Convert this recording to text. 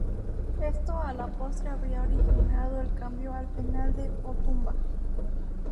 Esto a la postre habría originado el cambio al penal de Otumba.